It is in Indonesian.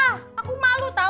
aku malu tau